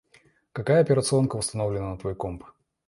Какая операционка установлена на твой комп?